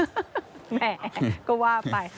แหมก็ว่าไป